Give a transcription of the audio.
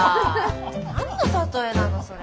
何の例えなのそれ。